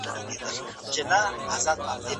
د ژوند حق تر هر څه لوړ دی.